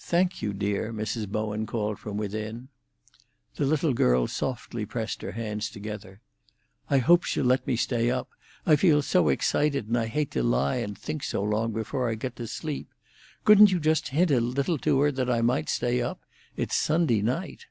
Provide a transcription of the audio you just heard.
"Thank you, dear," Mrs. Bowen called from within. The little girl softly pressed her hands together. "I hope she'll let me stay up! I feel so excited, and I hate to lie and think so long before I get to sleep. Couldn't you just hint a little to her that I might stay up? It's Sunday night."